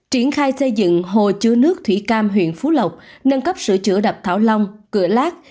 triển khai xây dựng hồ chứa nước thủy cam huyện phú lộc nâng cấp sửa chữa đập thảo long cửa lát